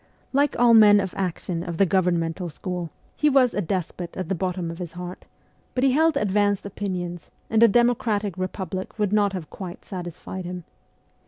Like all men of action of the governmental school, he 198 MEMOIRS OF A REVOLUTIONIST was a despot at the bottom of his heart ; but he held advanced opinions, and a democratic republic would not have quite satisfied him.